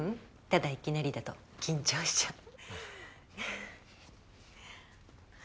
ただいきなりだと緊張しちゃう。